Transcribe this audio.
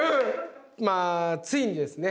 まあついにですね